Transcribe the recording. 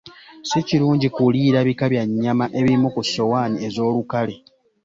Si kirungi kuliira bika bya nnyama ebimu ku ssowaani ez'olukale.